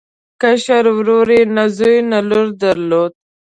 کشر ورور یې نه زوی او نه لور درلوده.